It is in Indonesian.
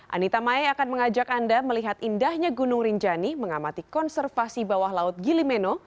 anita mae akan mengajak anda melihat indahnya gunung rinjani mengamati konservasi bawah laut gilimeno